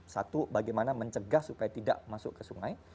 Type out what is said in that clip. satu bagaimana mencegah supaya tidak masuk ke sungai